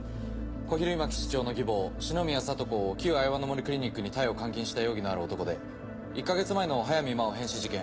小比類巻室長の義母四宮聡子を旧アイワの杜クリニックに逮捕監禁した容疑のある男で１か月前の速水真緒変死事件